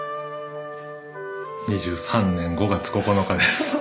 ２３年５月９日です。